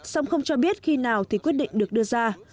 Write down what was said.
song không cho biết khi nào thì quyết định được đưa ra